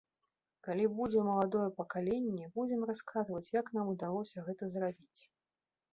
Калі будзе маладое пакаленне, будзем расказваць, як нам удалося гэта зрабіць.